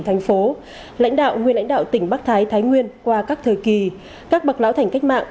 thành phố lãnh đạo nguyên lãnh đạo tỉnh bắc thái nguyên qua các thời kỳ các bậc lão thành cách mạng